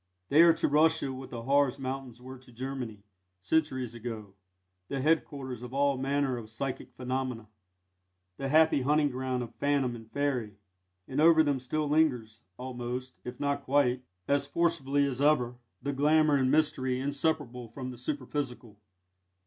They are to Russia what the Harz Mountains were to Germany, centuries ago the head quarters of all manner of psychic phenomena, the happy hunting ground of phantom and fairy; and over them still lingers, almost, if not quite, as forcibly as ever, the glamour and mystery inseparable from the superphysical.